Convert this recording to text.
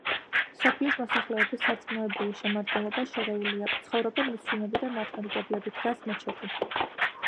სოფლის მოსახლეობის სარწმუნოებრივი შემადგენლობა შერეულია, ცხოვრობენ მუსლიმები და მართლმადიდებლები, დგას მეჩეთი.